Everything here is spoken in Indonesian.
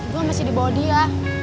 gue masih di body ya